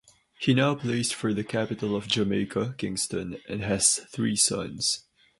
He now plays for the capital of Jamaica, Kingston and has three sons.